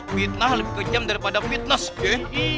fitnah lebih kenyam daripada fitness ye